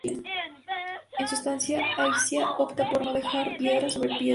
En su ausencia, Aixa opta por no dejar piedra sobre piedra.